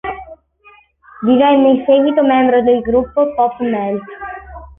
Divenne in seguito membro del gruppo pop Melt.